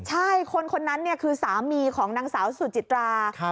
ใช่คนคนนั้นคือสามีของนางสาวสุจิตรา